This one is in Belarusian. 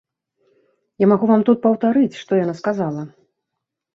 Я магу вам тут паўтарыць, што яна сказала.